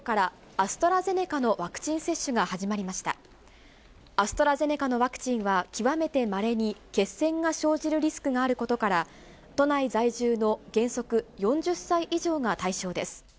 アストラゼネカのワクチンは、極めてまれに血栓が生じるリスクがあることから、都内在住の原則４０歳以上が対象です。